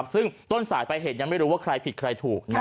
ซึ่งต้นสายไปเหตุยังไม่รู้ว่าใครผิดใครถูก